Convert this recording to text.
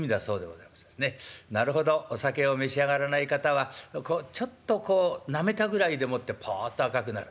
なるほどお酒を召し上がらない方はちょっとこうなめたぐらいでもってポッと赤くなる。